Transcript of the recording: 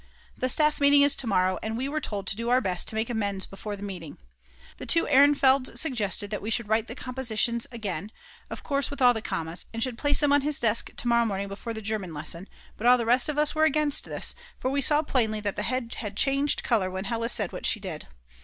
The staff meeting is to morrow, and we were told to do our best to make amends before the meeting. The 2 Ehrenfelds suggested that we should write the compositions over again, of course with all the commas, and should place them on his desk to morrow morning before the German lesson; but all the rest of us were against this, for we saw plainly that the head had changed colour when Hella said what she did.